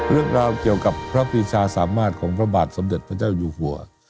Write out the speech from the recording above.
เรื่องราวเกี่ยวกับพระปีชาสามารถของพระบาทสมเด็จพระเจ้าอยู่หัว